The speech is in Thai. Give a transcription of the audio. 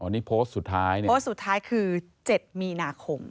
นี่โพสต์สุดท้ายเนี่ยโพสต์สุดท้ายคือ๗มีนาคม